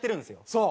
そう！